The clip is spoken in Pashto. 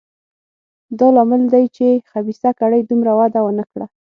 دا لامل دی چې خبیثه کړۍ دومره وده ونه کړه.